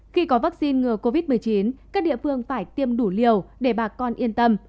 khi có vaccine ngừa covid một mươi chín các địa phương phải tiêm đủ liều để bà con yên tâm